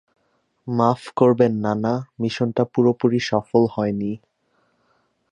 মাফ করবেন নানা, মিশন টা পুরোপুরি সফল হয় নি।